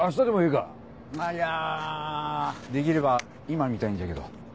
いやできれば今見たいんじゃけど。